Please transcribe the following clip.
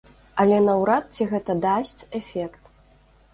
Але наўрад ці гэта дасць эфект.